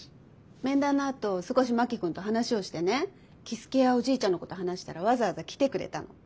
面談のあと少し真木君と話をしてね樹介やおじいちゃんのこと話したらわざわざ来てくれたの。